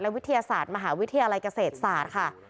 วิทยาศาสตร์มหาวิทยาลัยเกษตรศาสตร์ค่ะ